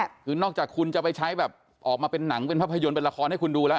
คือนอกจากคุณจะไปใช้แบบออกมาเป็นหนังเป็นภาพยนตร์เป็นละครให้คุณดูแล้ว